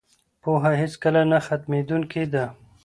پوهه هیڅکله نه ختميدونکي ده.